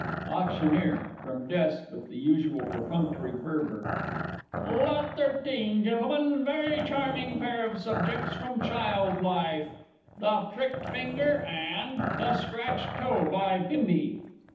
AUCTIONEER (from desk, with the usual perfunctory fervour). Lot 13, Gentlemen, very charming pair of subjects from child life "The Pricked Finger" and "The Scratched Toe" by Bimbi.